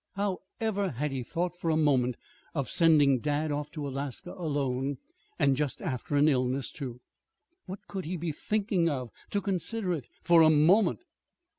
How ever had he thought for a moment of sending dad off to Alaska alone, and just after an illness, too! What could he be thinking of to consider it for a moment?